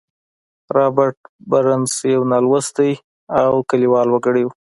رابرټ برنس يو نالوستی او کليوال وګړی و.